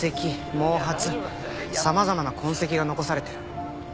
毛髪様々な痕跡が残されてる。